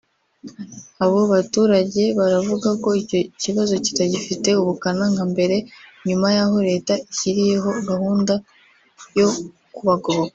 abo baturage baravuga ko icyo kibazo kitagifite ubukana nka mbere nyuma y’aho Leta ishyiriyeho gahunda zo kubagoboka